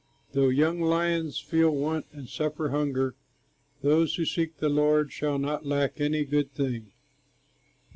Though young lions feel want and suffer hunger, Those who seek the Lord shall not lack any good thing.